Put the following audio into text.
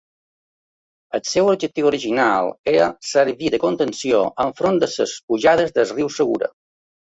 El seu objectiu originari era servir de contenció enfront de les pujades del riu Segura.